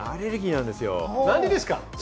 何でですか？